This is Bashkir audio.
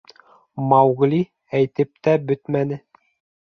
— Маугли әйтеп тә бөтмәне.